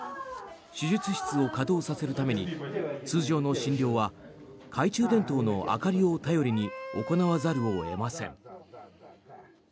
手術室を稼働させるために通常の診療は懐中電灯の明かりを頼りに行わざるを得ません。